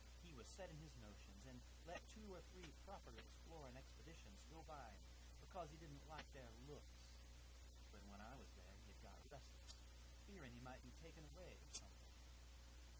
He was set in his notions, and let two or three proper explorin' expeditions go by him because he didn't like their looks; but when I was there he had got restless, fearin' he might be taken away or something.